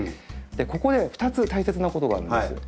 ここで２つ大切なことがあるんです。